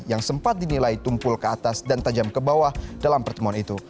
yang sempat dinilai tumpul ke atas dan tajam ke bawah dalam pertemuan itu